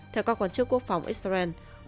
theo các quan chức quốc phòng israel